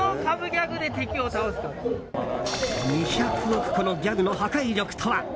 ２００億個のギャグの破壊力とは？